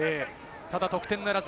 ただ得点ならず。